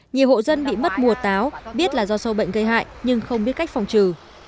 nhiều hộ dân bị mất mùa táo biết là do sâu bệnh gây hại nhưng không biết cách phòng trừ